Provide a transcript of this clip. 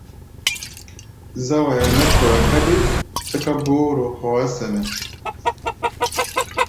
Záwaya nɛ́ kora káɗí sɛ́ká bóóro hɔá sɛnɛ́.